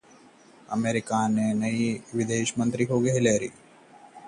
America की नई विदेश मंत्री होंगी हिलेरी!